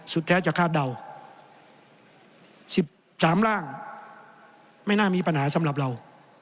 แท้จะคาดเดา๑๓ร่างไม่น่ามีปัญหาสำหรับเรา